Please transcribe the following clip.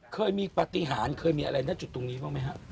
เคยมีปฏิหารเคยมีอะไรณจุดตรงนี้บ้างไหมครับ